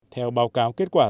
theo báo cáo kết quả